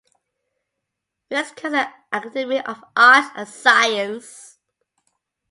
Wisconsin Academy of Arts and Science.